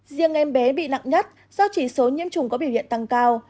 riêng em bé bị nặng nhất do chỉ số nhiễm trùng có biểu hiện tăng cao